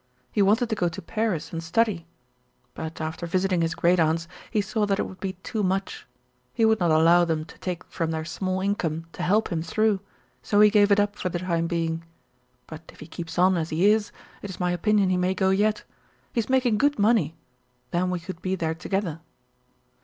He wanted to go to Paris and study, but after visiting his great aunts he saw that it would be too much. He would not allow them to take from their small income to help him through, so he gave it up for the time being; but if he keeps on as he is, it is my opinion he may go yet. He's making good money. Then we could be there together."